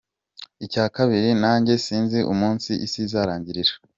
Icya kabiri nanjye sinzi umunsi Isi izarangirira